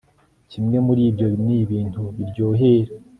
Kimwe muri byo ni ibintu biryohera